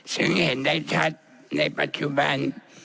ซึ่งเห็นได้ชัดในปัจจุบัน